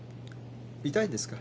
痛いんですか？